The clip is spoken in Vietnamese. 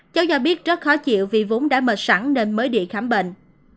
cháu do biết rất khó chịu vì vốn đã mệt sẵn nên mới đi khám bệnh